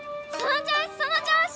その調子！